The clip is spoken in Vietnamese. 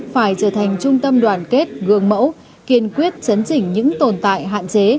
phải trở thành trung tâm đoàn kết gương mẫu kiên quyết chấn chỉnh những tồn tại hạn chế